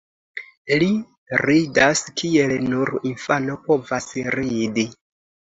Li ridas kiel nur infano povas ridi.